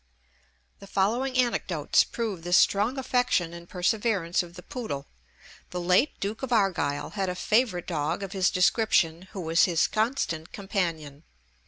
The following anecdotes prove the strong affection and perseverance of the poodle. The late Duke of Argyll had a favourite dog of this description, who was his constant companion.